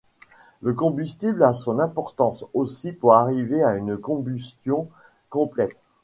Le combustible a son importance aussi pour arriver à une combustion complète.